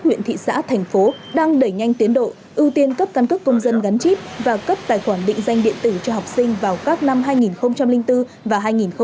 huyện thị xã thành phố đang đẩy nhanh tiến độ ưu tiên cấp căn cước công dân gắn chip và cấp tài khoản định danh điện tử cho học sinh vào các năm hai nghìn bốn và hai nghìn một mươi